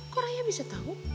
kok raya bisa tau